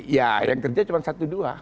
ya yang kerja cuma satu dua